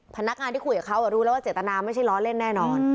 พนักงานที่คุยกับเขารู้แล้วว่าเจตนาไม่ใช่ล้อเล่นแน่นอน